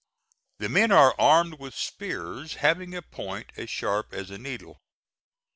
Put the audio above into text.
The men are armed with spears having a point as sharp as a needle.